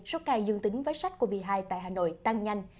số ca dương tính với sách covid một mươi chín tại hà nội tăng nhanh